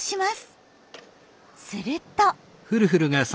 すると。